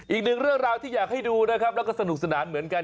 อีกหนึ่งเรื่องราวที่อยากให้ดูนะครับแล้วก็สนุกสนานเหมือนกัน